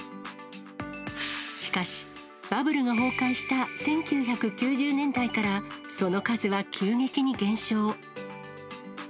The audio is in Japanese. しかし、バブルが崩壊した１９９０年代から、その数は急激に減少。